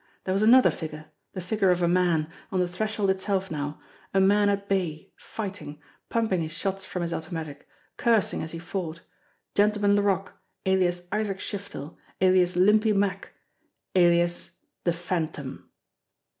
There was another figure, the figure of a man, on the thresh old itself now, a man at bay, fighting, pumping his shots from his automatic, cursing as he fought Gentleman Laroque, alias Isaac Shiftel, alias Limpy Mack, alias the Phantom!